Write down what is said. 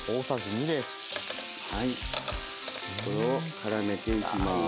これをからめていきます。